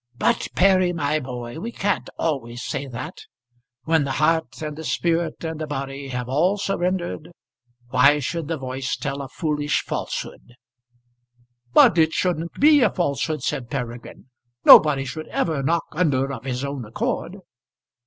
"But Perry, my boy, we can't always say that. When the heart and the spirit and the body have all surrendered, why should the voice tell a foolish falsehood?" "But it shouldn't be a falsehood," said Peregrine. "Nobody should ever knock under of his own accord."